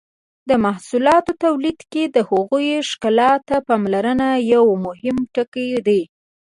د محصولاتو تولید کې د هغوی ښکلا ته پاملرنه یو مهم ټکی دی.